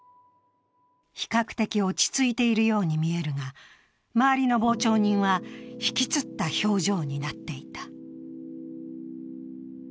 比較的落ち着いているように見えるが、周りの傍聴人は引きつった表情になっていた。